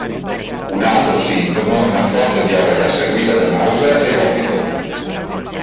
Un altro sintomo è una forte diarrea seguita da nausea e vomito.